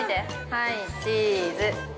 はい、チーズ。